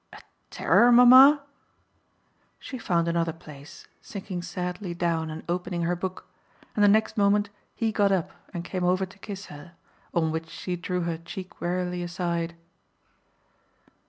"A terror, mamma?" She found another place, sinking sadly down and opening her book, and the next moment he got up and came over to kiss her, on which she drew her cheek wearily aside.